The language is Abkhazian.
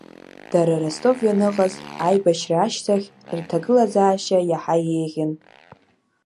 Дара ростов ианыҟаз, аибашьра ашьҭахь, рҭагылазаашьа иаҳа иеиӷьын.